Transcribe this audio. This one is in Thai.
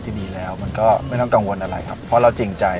คือแบบกลวนกวนอย่างเงี่ยครับพี่สั้น